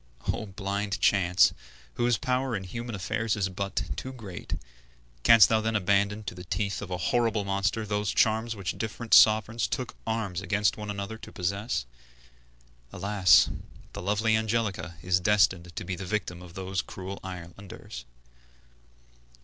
O blind Chance! whose power in human affairs is but too great, canst thou then abandon to the teeth of a horrible monster those charms which different sovereigns took arms against one another to possess? Alas! the lovely Angelica is destined to be the victim of those cruel islanders.